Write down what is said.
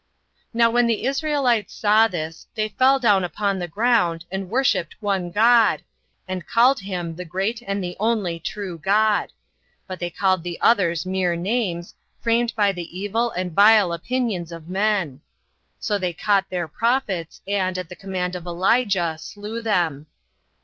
6. Now when the Israelites saw this, they fell down upon the ground, and worshipped one God, and called him The great and the only true God; but they called the others mere names, framed by the evil and vile opinions of men. So they caught their prophets, and, at the command of Elijah, slew them.